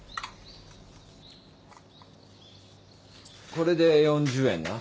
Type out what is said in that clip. これで４０円な。